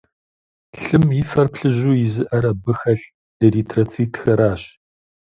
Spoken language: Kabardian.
Лъым и фэр плыжьу изыӀэр абы хэлъ эритроцитхэращ.